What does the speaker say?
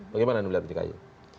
bagaimana melihat dari kayi